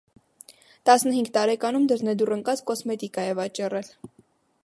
Տասնհինգ տարեկանում դռնեդուռ ընկած՝ կոսմետիկա է վաճառել։